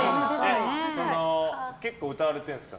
結構歌われてるんですか？